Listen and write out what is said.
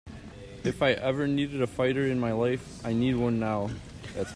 If I ever needed a fighter in my life I need one now.